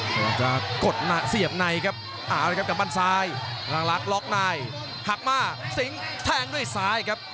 ต้องกดเสียบในครับเอาเลยครับกับบ้านซ้ายรังรักล็อคในหักมาสิงห์แทงด้วยซ้ายครับ